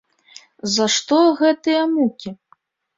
За што гэтыя мукі?